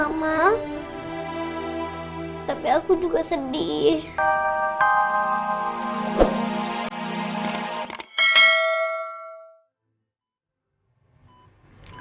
tapi aku juga sedih